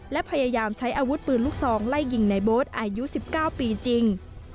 และพยายามใช้อาวุธปืนลูกซองไล่ยิงในโบ๊ทอายุ๑๙ปีจริง